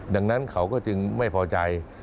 ดังนั้นเขาก็จึงไม่พอใจ